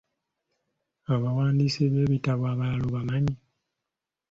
Abawandiisi b’ebitabo abalala obamanyi?